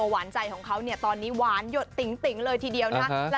หวานใจของเขาเนี่ยตอนนี้หวานหยดติ๋งเลยทีเดียวนะ